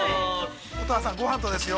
◆乙葉さん、ごはんとですよ？